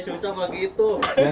susah malah gitu